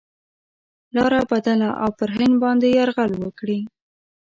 لاره بدله او پر هند باندي یرغل وکړي.